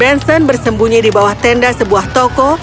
benson bersembunyi di bawah tenda sebuah toko